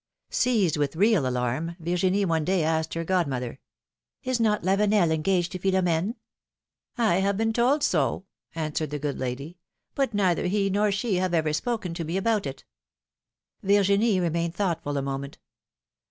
Seized with real alarm, Virginie one day asked her godmother: '^Is not Lavenel engaged to Philomene?^^ I have been told so,^^ answered the good lady, but neither he nor she have ever spoken to me about it.^^ Virginie remained thoughtful a moment.